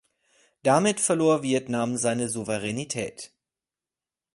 Damit verlor Vietnam seine Souveränität.